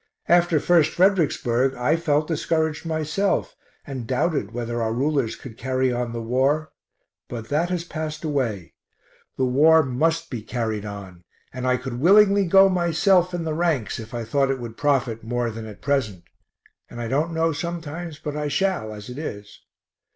After first Fredericksburg I felt discouraged myself, and doubted whether our rulers could carry on the war but that has passed away. The war must be carried on, and I could willingly go myself in the ranks if I thought it would profit more than at present, and I don't know sometimes but I shall as it is.